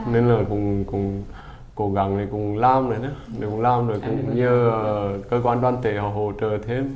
nên là cũng cố gắng để cũng làm nữa cũng như cơ quan đoàn thể họ hỗ trợ thêm